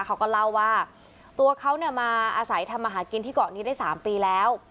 เขาก็เล่าว่าตัวเขาเนี่ยมาอาศัยทำมาหากินที่เกาะนี้ได้๓ปีแล้ว